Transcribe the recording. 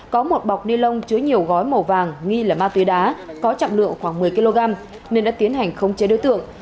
có một bọc ni lông chứa nhiều gói màu vàng nghi là ma túy đá có trọng lượng khoảng một mươi kg nên đã tiến hành khống chế đối tượng